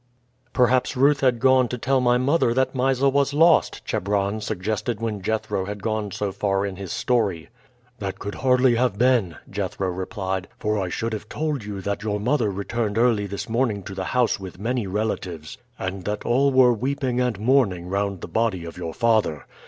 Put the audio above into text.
"Perhaps Ruth had gone to tell my mother that Mysa was lost," Chebron suggested when Jethro had gone so far in his story. "That could hardly have been," Jethro replied, "for I should have told you that your mother returned early this morning to the house with many relatives, and that all were weeping and mourning round the body of your father.